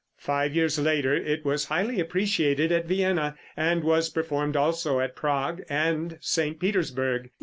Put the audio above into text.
Five years later it was highly appreciated at Vienna, and was performed also at Prague and St. Petersburg.